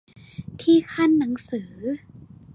ที่คั่นหนังสือ